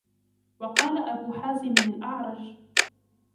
وَقَالَ أَبُو حَازِمٍ الْأَعْرَجُ